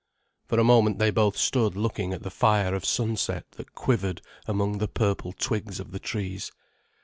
For a moment they both stood looking at the fire of sunset that quivered among the purple twigs of the trees.